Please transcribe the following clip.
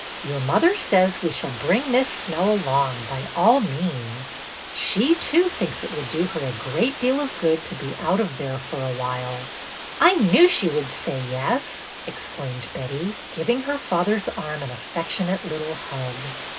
"Your mother says we shall bring Miss Snell along, by all means. She, too, thinks it 272 BETTY BAIRD'S GOLDEN YEAR would do her a great deal of good to be out there for a while/' "I knew she would say yes!" exclaimed Betty, giving her father's arm an affectionate little hug.